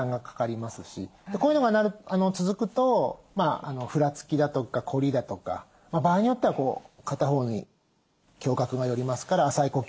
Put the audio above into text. こういうのが続くとふらつきだとか凝りだとか場合によってはこう片方に胸郭が寄りますから浅い呼吸になりがちだとかですね。